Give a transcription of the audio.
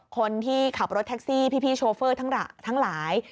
คนที่ขับรถแท็กซี่พี่โชเฟอร์ทั้งหลาย